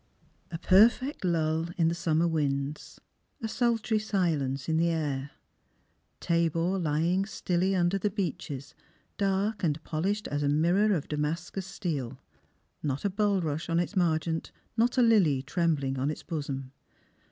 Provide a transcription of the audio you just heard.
A PERFECT lull in the summer winds, a sultry silence in the air ; Tabor lying stilly under the beeches, dark and polished as a mirror of Damascus steel, not a bulrush on its niargent, not a lily trembling on its bosom.